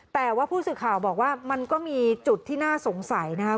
แต่ว่าผู้สื่อข่าวบอกว่ามันก็มีจุดที่น่าสงสัยนะครับ